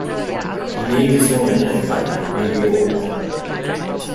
He made his home in Ithaca, New York.